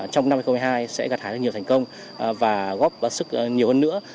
trong năm hai nghìn hai mươi hai sẽ gặt hái được nhiều thành công và góp sức nhiều hơn nữa